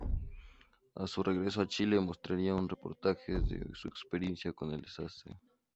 A su regreso a Chile, mostrarían un reportaje de su experiencia con el desastre.